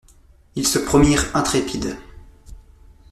Ils se promirent intrépides.